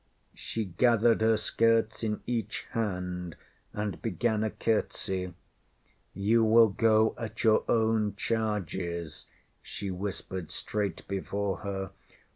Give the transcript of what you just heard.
ŌĆÖ She gathered her skirts in each hand, and began a curtsy. ŌĆśYou will go at your own charges, ŌĆÖ she whispered straight before her.